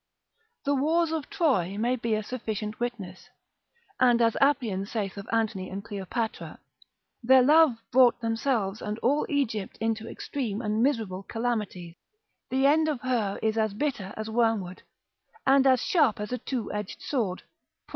The wars of Troy may be a sufficient witness; and as Appian, lib. 5. hist, saith of Antony and Cleopatra, Their love brought themselves and all Egypt into extreme and miserable calamities, the end of her is as bitter as wormwood, and as sharp as a two edged sword, Prov.